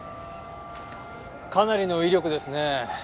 かなりの威力ですねえ。